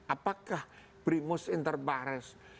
apakah primus inter pares